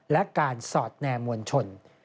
และการสอดแนมมวลชน